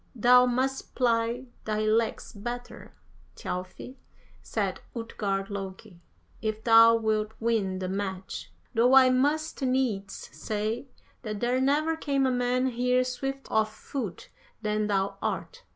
"'Thou must ply thy legs better, Thjalfi,' said Utgard Loki, 'if thou wilt win the match, though I must needs say that there never came a man here swifter of foot than thou art.'